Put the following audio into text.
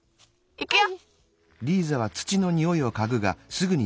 いくよ！